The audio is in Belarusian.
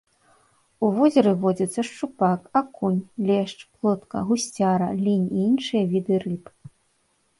У возеры водзяцца шчупак, акунь, лешч, плотка, гусцяра, лінь і іншыя віды рыб.